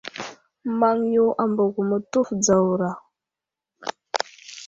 Maŋ yo ambako mətəf dzawra.